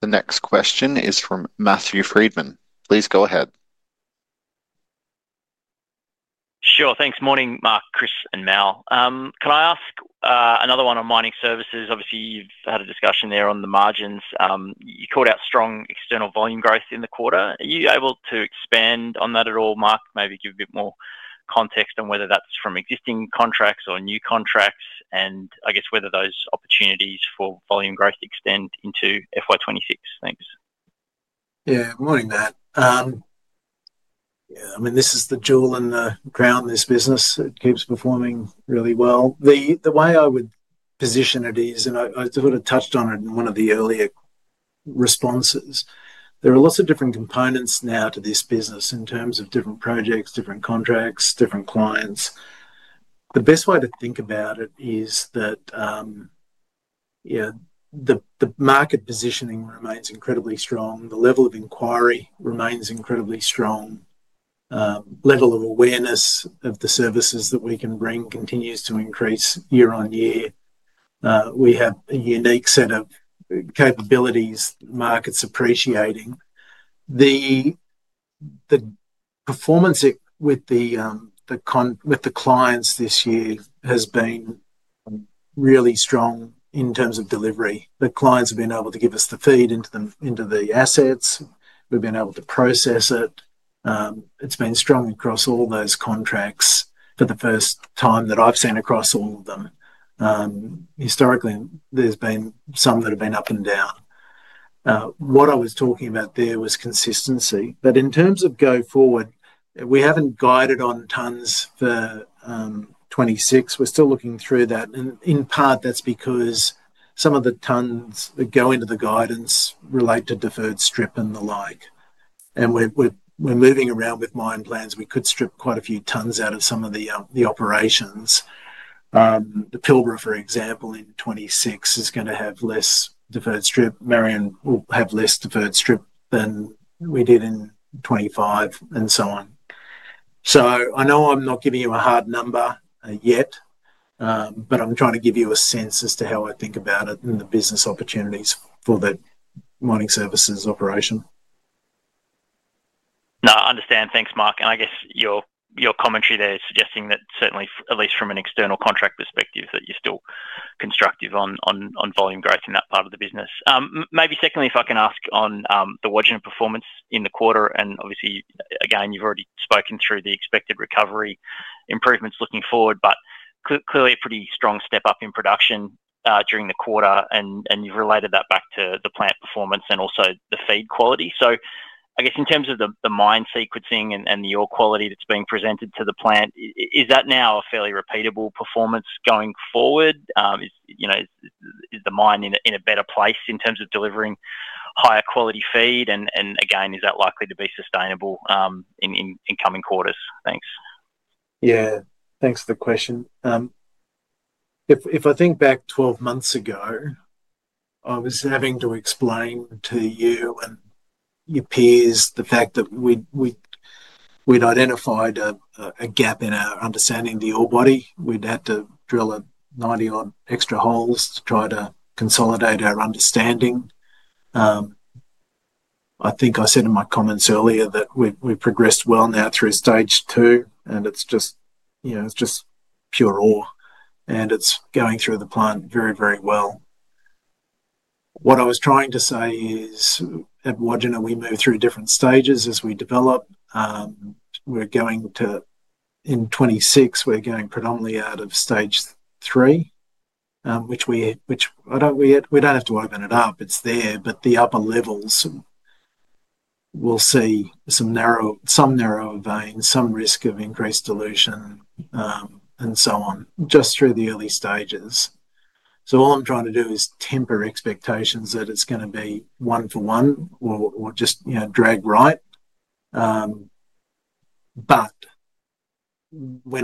The next question is from Matthew Frydman. Please go ahead. Sure. Thanks. Morning, Mark, Chris, and Mel. Can I ask another one on mining services? Obviously, you've had a discussion there on the margins. You called out strong external volume growth in the quarter. Are you able to expand on that at all, Mark? Maybe give a bit more context on whether that's from existing contracts or new contracts, and I guess whether those opportunities for volume growth extend into FY 2026. Thanks. Yeah, morning, Matt. This is the jewel in the crown in this business. It keeps performing really well. The way I would position it is, and I sort of touched on it in one of the earlier responses, there are lots of different components now to this business in terms of different projects, different contracts, different clients. The best way to think about it is that the market positioning remains incredibly strong. The level of inquiry remains incredibly strong. The level of awareness of the services that we can bring continues to increase year on year. We have a unique set of capabilities markets appreciating. The performance with the clients this year has been really strong in terms of delivery. The clients have been able to give us the feed into the assets. We've been able to process it. It's been strong across all those contracts for the first time that I've seen across all of them. Historically, there's been some that have been up and down. What I was talking about there was consistency. In terms of going forward, we haven't guided on tons for 2026. We're still looking through that. In part, that's because some of the tons that go into the guidance relate to deferred strip and the like. We're moving around with mine plans. We could strip quite a few tons out of some of the operations. The Pilbara, for example, in 2026 is going to have less deferred strip. Marion will have less deferred strip than we did in 2025 and so on. I know I'm not giving you a hard number yet, but I'm trying to give you a sense as to how I think about it and the business opportunities for that mining services operation. No, I understand. Thanks, Mark. I guess your commentary there is suggesting that certainly, at least from an external contract perspective, that you're still constructive on volume growth in that part of the business. Maybe secondly, if I can ask on the Wodgina performance in the quarter, and obviously, again, you've already spoken through the expected recovery improvements looking forward, but clearly a pretty strong step up in production during the quarter, and you've related that back to the plant performance and also the feed quality. I guess in terms of the mine sequencing and the ore quality that's being presented to the plant, is that now a fairly repeatable performance going forward? Is the mine in a better place in terms of delivering higher quality feed? Again, is that likely to be sustainable in coming quarters? Thanks. Yeah, thanks for the question. If I think back 12 months ago, I was having to explain to you and your peers the fact that we'd identified a gap in our understanding of the ore body. We'd had to drill 90-odd extra holes to try to consolidate our understanding. I think I said in my comments earlier that we've progressed well now through stage two, and it's just, you know, it's just pure ore, and it's going through the plant very, very well. What I was trying to say is at Wodgina, we move through different stages as we develop. We're going to, in 2026, we're going predominantly out of stage three, which we don't have to open it up. It's there, but the upper levels will see some narrower veins, some risk of increased dilution, and so on, just through the early stages. All I'm trying to do is temper expectations that it's going to be one for one or just drag right. When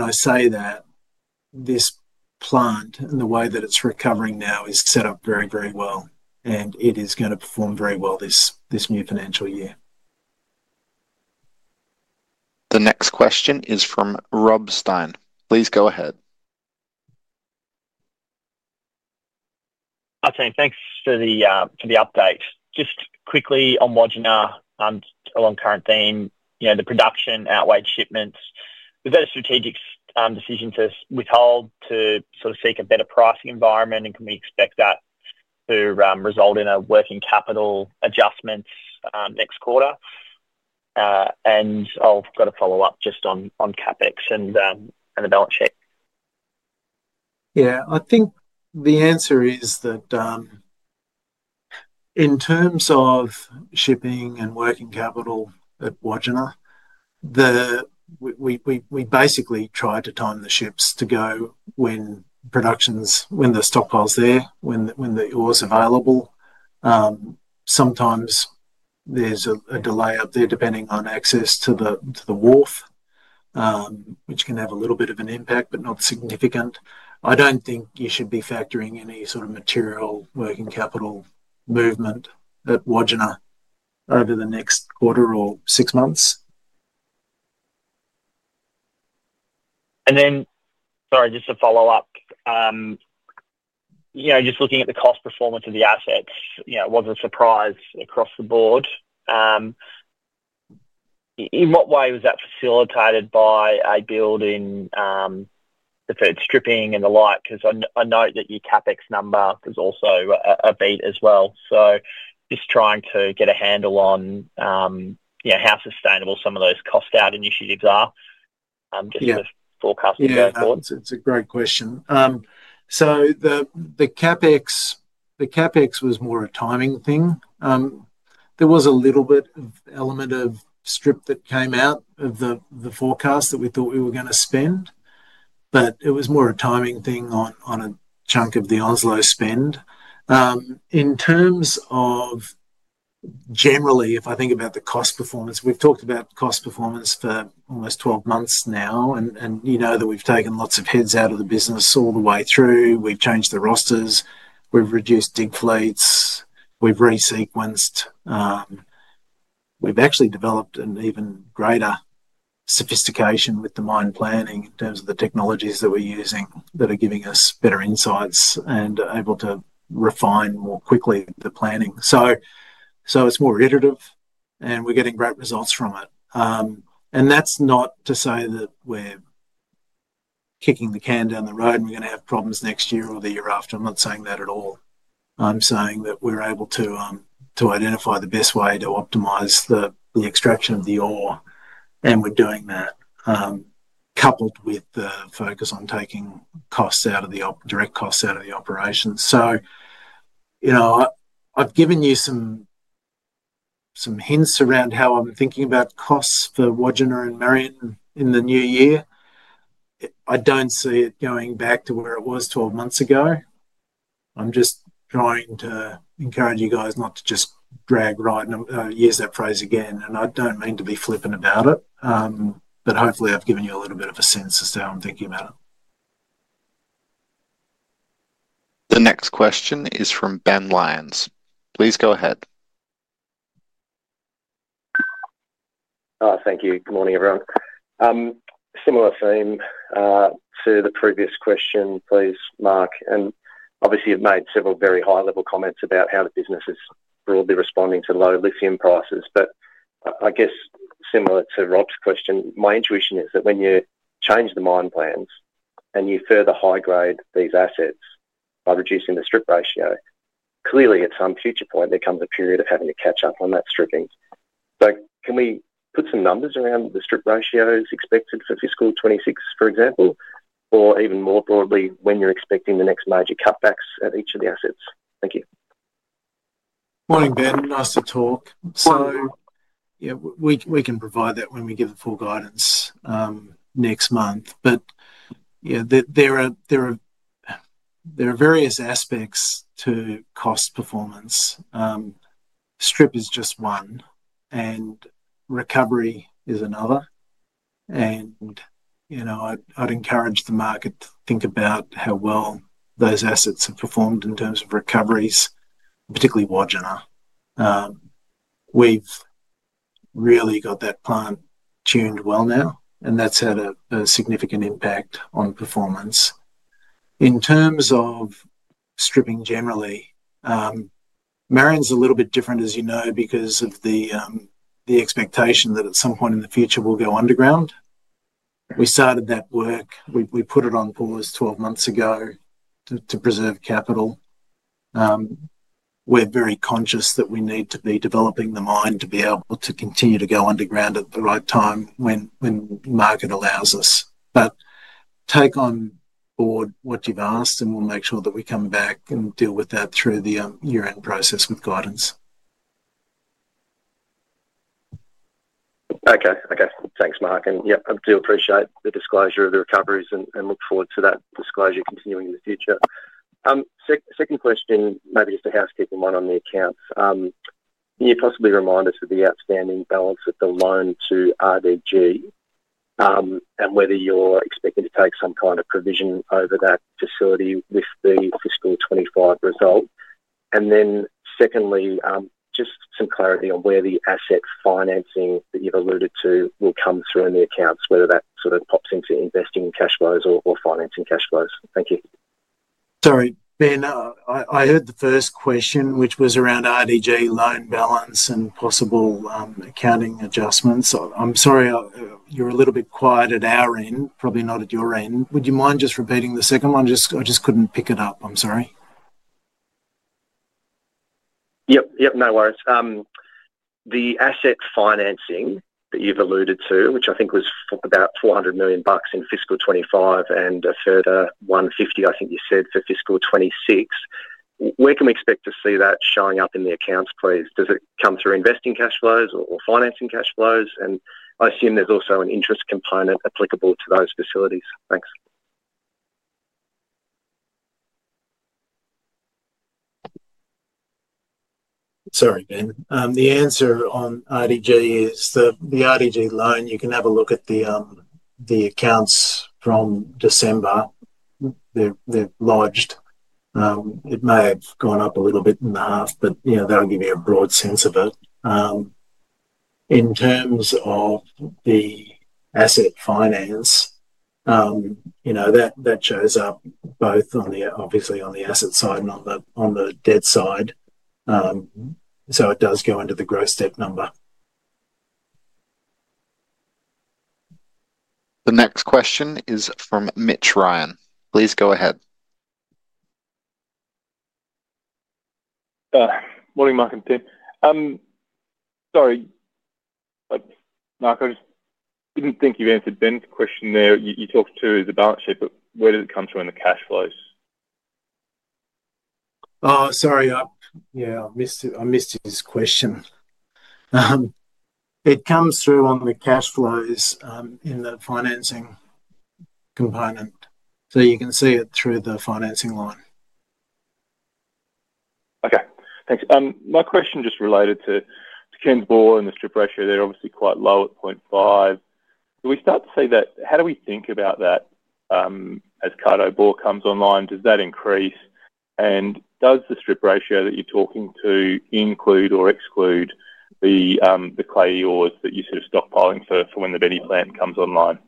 I say that, this plant and the way that it's recovering now is set up very, very well, and it is going to perform very well this new financial year. The next question is from Rob Stein. Please go ahead. Hi team, thanks for the update. Just quickly on Wodgina along current theme, you know, the production outweighed shipments. Was that a strategic decision to withhold to sort of seek a better pricing environment, and can we expect that to result in a working capital adjustment next quarter? I've got to follow up just on CapEx and the balance sheet. Yeah, I think the answer is that in terms of shipping and working capital at Wodgina, we basically try to time the ships to go when production's, when the stockpile's there, when the ore's available. Sometimes there's a delay up there depending on access to the wharf, which can have a little bit of an impact, but not significant. I don't think you should be factoring any sort of material working capital movement at Wodgina over the next quarter or six months. Sorry, just to follow up, you know, just looking at the cost performance of the assets, it was a surprise across the board. In what way was that facilitated by a build in the stripping and the like? I note that your CapEx number was also a beat as well. Just trying to get a handle on how sustainable some of those cost out initiatives are, just for the forecast going forward. Yeah, it's a great question. The CapEx was more a timing thing. There was a little bit of element of strip that came out of the forecast that we thought we were going to spend, but it was more a timing thing on a chunk of the Onslow spend. In terms of generally, if I think about the cost performance, we've talked about cost performance for almost 12 months now, and you know that we've taken lots of heads out of the business all the way through. We've changed the rosters. We've reduced dig fleets. We've resequenced. We've actually developed an even greater sophistication with the mine planning in terms of the technologies that we're using that are giving us better insights and are able to refine more quickly the planning. It's more iterative, and we're getting great results from it. That's not to say that we're kicking the can down the road and we're going to have problems next year or the year after. I'm not saying that at all. I'm saying that we're able to identify the best way to optimize the extraction of the ore, and we're doing that coupled with the focus on taking costs out of the direct costs out of the operations. I've given you some hints around how I'm thinking about costs for Wodgina and Marion in the new year. I don't see it going back to where it was 12 months ago. I'm just trying to encourage you guys not to just drag right, and I'll use that phrase again, and I don't mean to be flippant about it, but hopefully I've given you a little bit of a sense as to how I'm thinking about it. The next question is from Ben Lyons. Please go ahead. Thank you. Good morning, everyone. Similar theme to the previous question, please, Mark. Obviously, you've made several very high-level comments about how the business is broadly responding to low lithium prices. I guess similar to Rob's question, my intuition is that when you change the mine plans and you further high-grade these assets by reducing the strip ratio, clearly at some future point, there comes a period of having to catch up on that stripping. Can we put some numbers around the strip ratios expected for fiscal 2026, for example, or even more broadly, when you're expecting the next major cutbacks at each of the assets? Thank you. Morning, Ben. Nice to talk. We can provide that when we give the full guidance next month. There are various aspects to cost performance. Strip is just one, and recovery is another. I'd encourage the market to think about how well those assets have performed in terms of recoveries, particularly Wodgina. We've really got that plant tuned well now, and that's had a significant impact on performance. In terms of stripping generally, Marion's a little bit different, as you know, because of the expectation that at some point in the future we'll go underground. We started that work. We put it on pause 12 months ago to preserve capital. We're very conscious that we need to be developing the mine to be able to continue to go underground at the right time when the market allows us. Take on board what you've asked, and we'll make sure that we come back and deal with that through the year-end process with guidance. Okay. Thanks, Mark. I do appreciate the disclosure of the recoveries and look forward to that disclosure continuing in the future. Second question, maybe just a housekeeping one on the accounts. Can you possibly remind us of the outstanding balance of the loan to RDG and whether you're expected to take some kind of provision over that facility with the fiscal 2025 result? Secondly, just some clarity on where the assets financing that you've alluded to will come through in the accounts, whether that sort of pops into investing in cash flows or financing cash flows. Thank you. Sorry, Ben, I heard the first question, which was around RDG loan balance and possible accounting adjustments. I'm sorry, you're a little bit quiet at our end, probably not at your end. Would you mind just repeating the second one? I just couldn't pick it up. I'm sorry. Yep, yep, no worries. The asset financing that you've alluded to, which I think was about $400 million in fiscal 2025 and a further $150 million, I think you said, for fiscal 2026. Where can we expect to see that showing up in the accounts, please? Does it come through investing cash flows or financing cash flows? I assume there's also an interest component applicable to those facilities. Thanks. Sorry, Ben. The answer on RDG is the RDG loan. You can have a look at the accounts from December. They're lodged. It may have gone up a little bit in the half, but you know that'll give you a broad sense of it. In terms of the asset finance, you know that shows up both on the, obviously, on the asset side and on the debt side. It does go into the gross debt number. The next question is from Mitch Ryan. Please go ahead. Morning, Mark and Tim. Sorry, Mark, I just didn't think you answered Ben's question there. You talked to his balance sheet, but where does it come through in the cash flows? Sorry, I missed his question. It comes through on the cash flows in the financing component. You can see it through the financing line. Okay. Thanks. My question just related to Kensborough and the strip ratio. They're obviously quite low at 0.5. Do we start to see that? How do we think about that as Kaito Bore comes online? Does that increase? Does the strip ratio that you're talking to include or exclude the clay ores that you're sort of stockpiling for when the Benny plant comes online?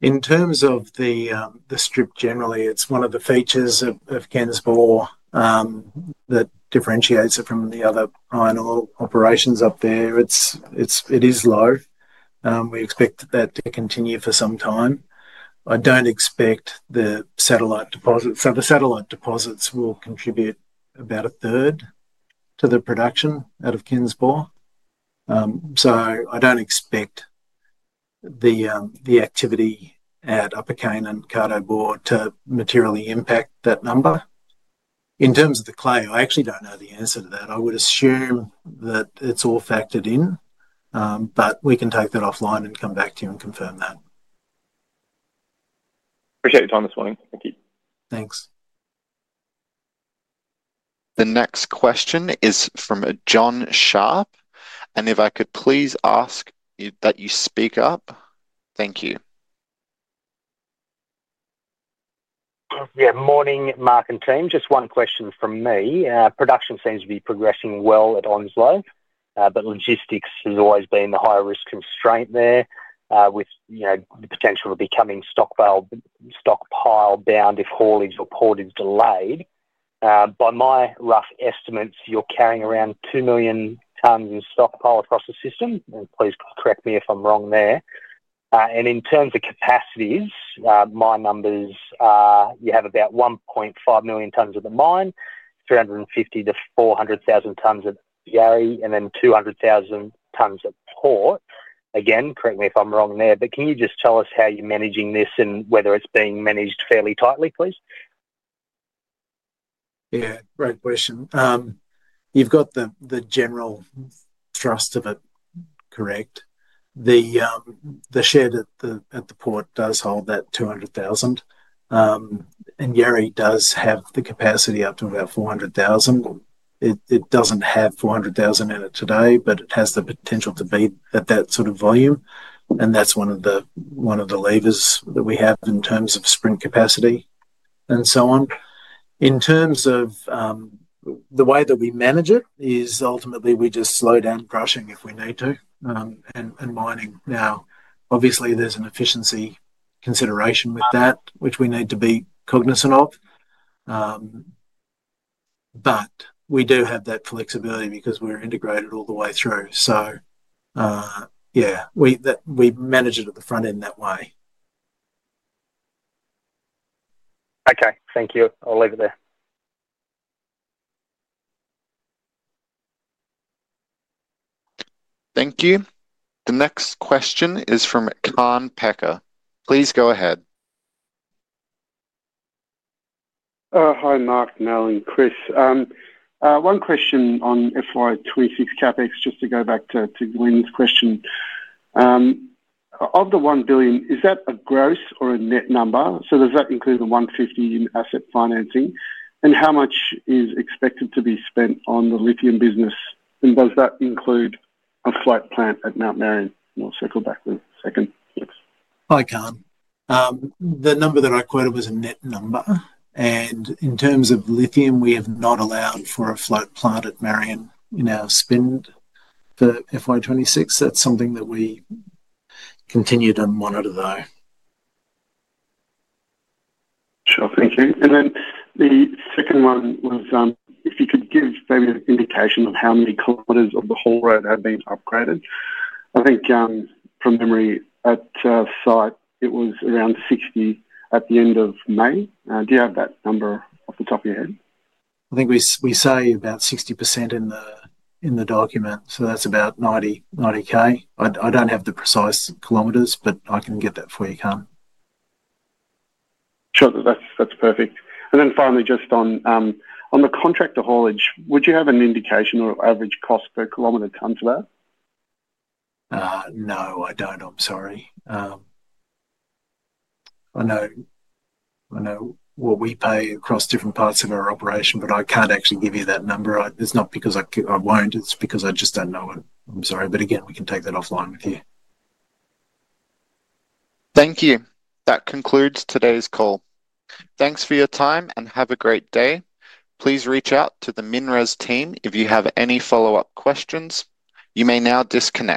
In terms of the strip generally, it's one of the features of Kensborough that differentiates it from the other iron ore operations up there. It is low. We expect that to continue for some time. I don't expect the satellite deposits. The satellite deposits will contribute about a third to the production out of Kensborough. I don't expect the activity at Upper Cane and Kaito Bore to materially impact that number. In terms of the clay, I actually don't know the answer to that. I would assume that it's all factored in, but we can take that offline and come back to you and confirm that. Appreciate your time this morning. Thank you. Thanks. The next question is from Jon Sharp, and if I could please ask that you speak up. Thank you. Yeah, morning, Mark and team. Just one question from me. Production seems to be progressing well at Onslow, but logistics has always been the higher risk constraint there with the potential of becoming stockpile bound if haulage or portage delayed. By my rough estimates, you're carrying around 2 million tons in stockpile across the system, and please correct me if I'm wrong there. In terms of capacities, my numbers are you have about 1.5 million tons at the mine, 350,000 -400,000 tons at Yilgarn hub, and then 200,000 tons at port. Again, correct me if I'm wrong there, but can you just tell us how you're managing this and whether it's being managed fairly tightly, please? Yeah, great question. You've got the general thrust of it, correct? The shed at the port does hold that 200,000, and Yarry does have the capacity up to about 400,000. It doesn't have 400,000 in it today, but it has the potential to be at that sort of volume, and that's one of the levers that we have in terms of sprint capacity and so on. In terms of the way that we manage it is ultimately we just slow down crushing if we need to and mining. Obviously, there's an efficiency consideration with that, which we need to be cognizant of. We do have that flexibility because we're integrated all the way through. Yeah, we manage it at the front end that way. Okay, thank you. I'll leave it there. Thank you. The next question is from Kaan Peker. Please go ahead. Hi, Mark, Mel, and Chris. One question on FY 2026 CapEx, just to go back to Glyn's question. Of the $1 billion, is that a gross or a net number? Does that include the $150 million in asset financing? How much is expected to be spent on the lithium business? Does that include a flight plant at Mount Marion? We'll circle back with a second. Hi, Kan. The number that I quoted was a net number. In terms of lithium, we have not allowed for a flight plant at Mount Marion in our spend for FY 2026. That's something that we continue to monitor, though. Sure. Thank you. The second one was if you could give maybe an indication of how many kilometers of the haul road had been upgraded. I think from memory at site, it was around 60 at the end of May. Do you have that number off the top of your head? I think we say about 60% in the document. That's about 90K. I don't have the precise kilometers, but I can get that for you, KaaFn. Sure. That's perfect. Finally, just on the contractor haulage, would you have an indication or average cost per kilometer tons of that? No, I don't. I'm sorry. I know what we pay across different parts of our operation, but I can't actually give you that number. It's not because I won't, it's because I just don't know it. I'm sorry. Again, we can take that offline with you. Thank you. That concludes today's call. Thanks for your time and have a great day. Please reach out to the MinRes team if you have any follow-up questions. You may now disconnect.